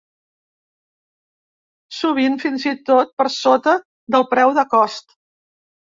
Sovint, fins i tot, per sota del preu de cost.